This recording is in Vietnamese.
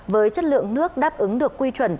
với chất lượng nước đáp ứng được quy chuẩn